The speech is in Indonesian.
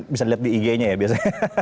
bisa dilihat di ig nya ya biasanya